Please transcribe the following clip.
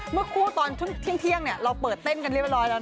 เมื่อคู่ตอนเที่ยงเราเปิดเต้นกันเรียบร้อยแล้ว